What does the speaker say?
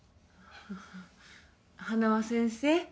花輪先生